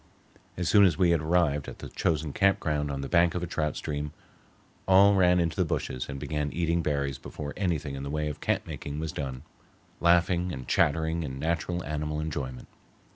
As soon as we had arrived at the chosen campground on the bank of a trout stream, all ran into the bushes and began eating berries before anything in the way of camp making was done, laughing and chattering in natural animal enjoyment.